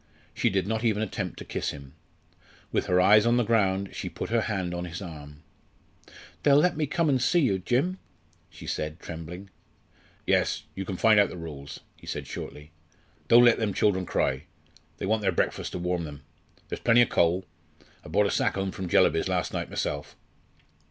She did not even attempt to kiss him. With her eyes on the ground, she put her hand on his arm. "They'll let me come and see you, Jim?" she said, trembling. "Yes; you can find out the rules," he said shortly. "Don't let them children cry. They want their breakfast to warm them. There's plenty of coal. I brought a sack home from Jellaby's last night myself.